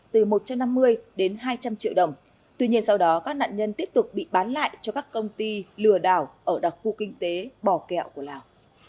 từ một trăm năm mươi đến hai trăm linh triệu đồng tuy nhiên sau đó các nạn nhân tiếp tục bị bán lại cho các công ty lừa đảo ở đặc khu kinh tế bò kẹo của lào